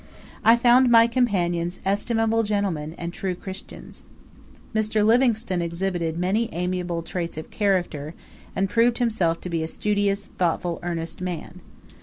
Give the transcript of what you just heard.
I found my companions estimable gentlemen, and true Christians. Mr. Livingstone exhibited many amiable traits of character, and proved himself to be a studious, thoughtful, earnest man.